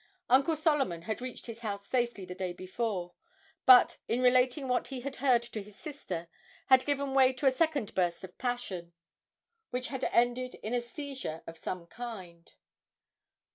Uncle Solomon had reached his house safely the day before, but, in relating what he had heard to his sister, had given way to a second burst of passion, which had ended in a seizure of some kind.